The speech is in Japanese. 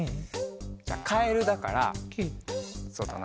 じゃあカエルだからそうだな。